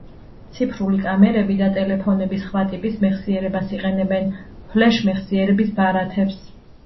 ციფრული კამერები და ტელეფონები სხვა ტიპის მეხსიერებას იყენებენ “ფლეშ” მეხსიერების ბარათებს.